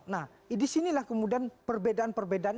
nah di sinilah kemudian perbedaan perbedaan